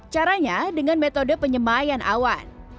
caranya dengan metode penyemayan awan